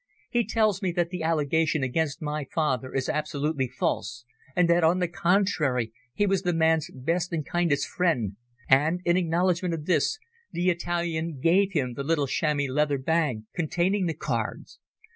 He tells me that the allegation against my father is absolutely false, and that on the contrary he was the man's best and kindest friend, and in acknowledgment of this, the Italian gave him the little chamois leather bag containing the cards.